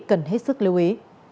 quý vị cần hết sức lưu ý